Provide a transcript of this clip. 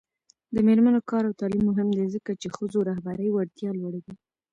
د میرمنو کار او تعلیم مهم دی ځکه چې ښځو رهبري وړتیا لوړوي.